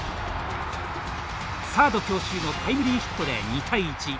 サード強襲のタイムリーヒットで２対１。